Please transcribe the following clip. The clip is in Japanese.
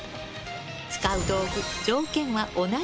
使う道具、条件は同じ。